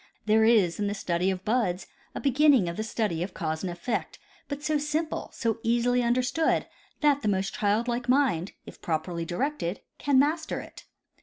There is in the study of buds a beginning of the study of cause and effect, but so simple, so easily understood, that the most childlike mind, if properly directed, can master it.